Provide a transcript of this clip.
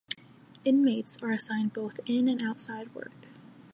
Inmates are assigned both in and outside work.